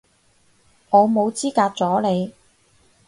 我冇資格阻你